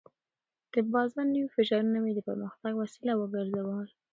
د بازار نوي فشارونه مې د پرمختګ وسیله وګرځول.